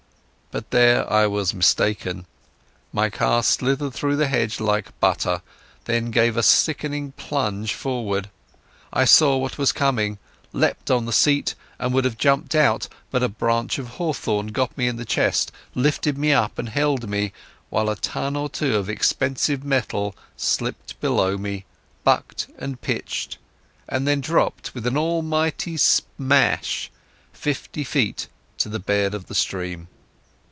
But there I was mistaken. My car slithered through the hedge like butter, and then gave a sickening plunge forward. I saw what was coming, leapt on the seat and would have jumped out. But a branch of hawthorn got me in the chest, lifted me up and held me, while a ton or two of expensive metal slipped below me, bucked and pitched, and then dropped with an almighty smash fifty feet to the bed of the stream.